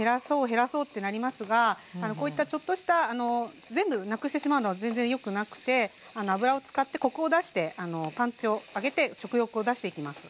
減らそうってなりますがこういったちょっとした全部なくしてしまうのは全然よくなくて油を使ってコクを出してパンチを上げて食欲を出していきます。